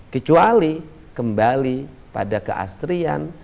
kecuali kembali pada keasrian